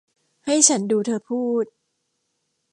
ให้ฉันดูเธอพูด